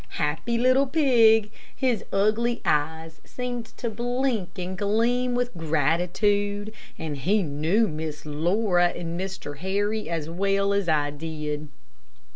Happy little pig! His ugly eyes seemed to blink and gleam with gratitude, and he knew Miss Laura and Mr. Harry as well as I did.